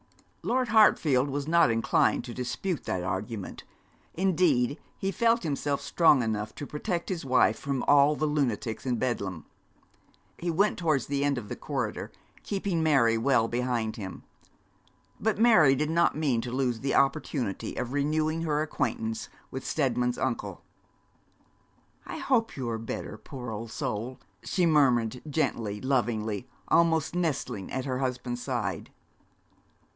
Lord Hartfield was not inclined to dispute that argument; indeed, he felt himself strong enough to protect his wife from all the lunatics in Bedlam. He went towards the end of the corridor, keeping Mary well behind him; but Mary did not mean to lose the opportunity of renewing her acquaintance with Steadman's uncle. 'I hope you are better, poor old soul,' she murmured, gently, lovingly almost, nestling at her husband's side.